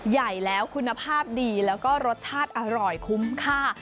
ใหญ่แล้วคุณภาพดีแล้วก็รสชาติอร่อยคุ้มค่า